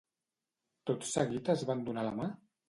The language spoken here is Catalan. Tot seguit es van donar la mà?